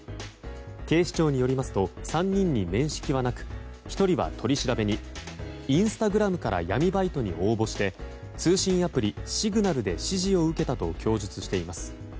警視庁によりますと３人に面識はなく１人は、取り調べにインスタグラムから闇バイトに応募して通信アプリ、シグナルで指示を受けたと供述しています。